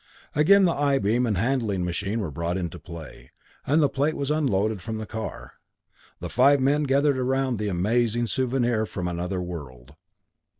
Again the I beam and handling machine were brought into play, and the plate was unloaded from the car. The five men gathered around the amazing souvenir from another world.